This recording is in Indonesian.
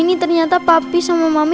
nggak ada apa apa